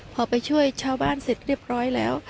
พอไปช่วยชาวบ้านเสร็จเรียบร้อยแล้ว